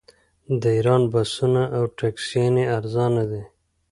د ایران بسونه او ټکسیانې ارزانه دي.